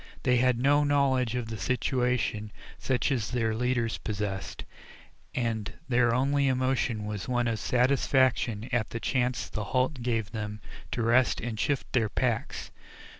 They had no knowledge of the situation such as their leaders possessed, and their only emotion was one of satisfaction at the chance the halt gave them to rest and to shift their packs.